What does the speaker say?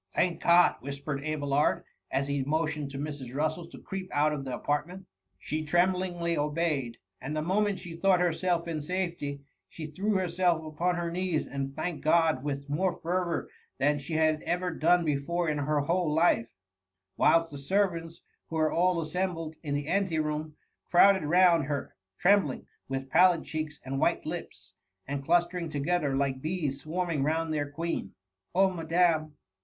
". Thank God T whispered Abelard, as he; motioned to Mrs. Russel to creep out of the apartment She tremblingly obeyed ; and the moment she .thought herself in safety, she threw herself upon her knees, and thanked God with more fervour than she had ever done before in her whole life ; whilst the servants, who were all assembled in the ante room, crowded round her, trembling, with pallid cheeks, and white lips, and clustering together like bees swarming round their queen. ^^ Oh, madam !